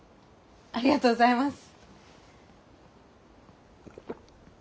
ありがとうございます。